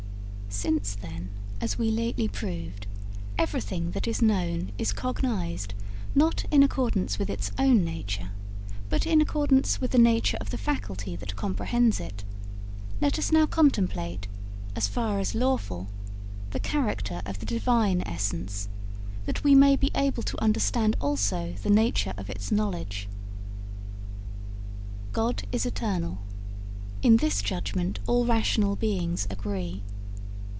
'Since, then, as we lately proved, everything that is known is cognized not in accordance with its own nature, but in accordance with the nature of the faculty that comprehends it, let us now contemplate, as far as lawful, the character of the Divine essence, that we may be able to understand also the nature of its knowledge. 'God is eternal; in this judgment all rational beings agree.